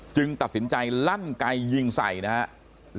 ตัดสินใจลั่นไกยิงใส่นะครับ